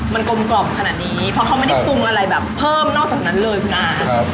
มันกลมกล่อมขนาดนี้เพราะเขาไม่ได้ปรุงอะไรแบบเพิ่มนอกจากนั้นเลยคุณอา